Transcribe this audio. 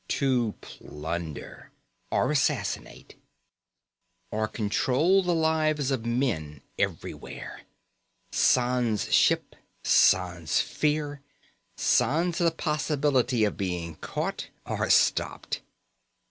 To plunder. Or assassinate. Or control the lives of men, everywhere. Sans ship. Sans fear. Sans the possibility of being caught or stopped.